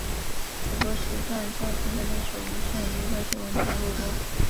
直播时段较竞争对手无线娱乐新闻台为多。